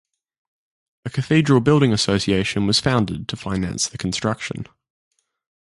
A cathedral building association was founded to finance the construction.